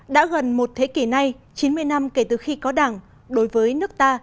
đã gần một thế kỷ nay chín mươi năm kể từ khi có đảng đối với nước ta